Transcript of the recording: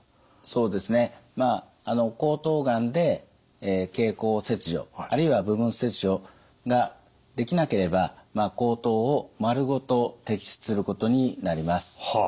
そうですねまああの喉頭がんで経口切除あるいは部分切除ができなければ喉頭を丸ごと摘出することになります。